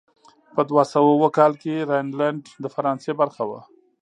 په دوه سوه اووه کال کې راینلنډ د فرانسې برخه شوه.